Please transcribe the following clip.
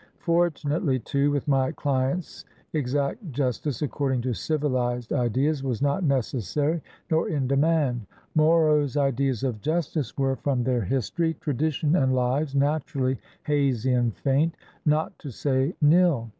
Fortunately, too, with my clients exact justice according to civilized ideas was not necessary, nor in demand. Moro ideas of justice were, from their history, tradition, and lives, naturally hazy and faint, not to say nil.